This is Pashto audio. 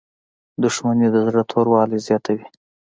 • دښمني د زړه توروالی زیاتوي.